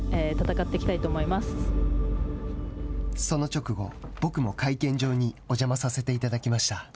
その直後、僕も会見場にお邪魔させていただきました。